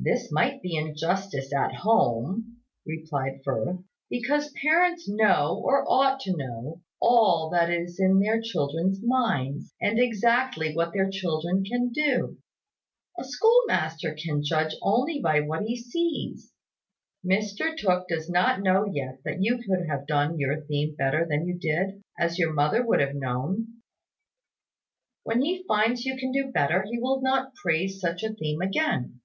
"This might be injustice at home," replied Firth, "because parents know, or ought to know, all that is in their children's minds, and exactly what their children can do. A schoolmaster can judge only by what he sees. Mr Tooke does not know yet that you could have done your theme better than you did as your mother would have known. When he finds you can do better, he will not praise such a theme again.